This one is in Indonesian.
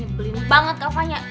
ih tapi nyebelin banget kafanya